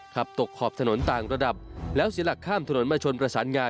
ขับตกขอบถนนต่างระดับแล้วเสียหลักข้ามถนนมาชนประสานงา